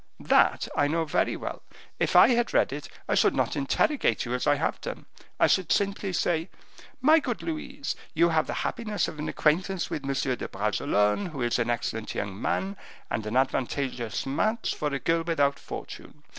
"That I know very well. If I had read it, I should not interrogate you as I have done; I should simply say, 'My good Louise, you have the happiness of an acquaintance with M. de Bragelonne, who is an excellent young man, and an advantageous match for a girl without fortune.